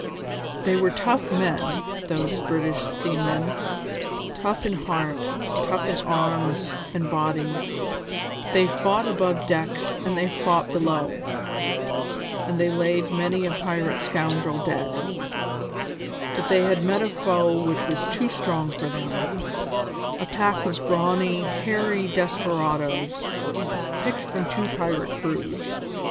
They were tough men, those British seamen, tough in heart, tough in arms and body; they fought above decks and they fought below, and they laid many a pirate scoundrel dead; but they had met a foe which was too strong for them a pack of brawny, hairy desperadoes, picked from two pirate crews.